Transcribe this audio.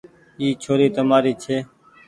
اي ڇوري تمآري ڇي۔